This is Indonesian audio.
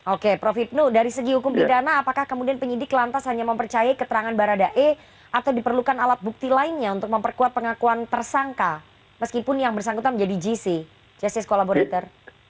oke prof hipnu dari segi hukum pidana apakah kemudian penyidik lantas hanya mempercayai keterangan baradae atau diperlukan alat bukti lainnya untuk memperkuat pengakuan tersangka meskipun yang bersangkutan menjadi gc justice collaborator